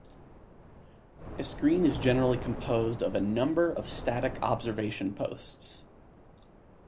A screen is generally composed of a number of static observation posts.